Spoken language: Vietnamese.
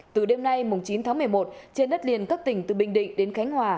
từ đêm nay chín tháng một mươi một trên đất liền các tỉnh từ bình định đến khánh hòa